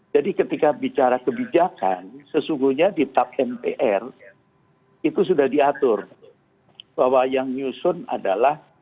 ketika bicara kebijakan sesungguhnya di tap mpr itu sudah diatur bahwa yang nyusun adalah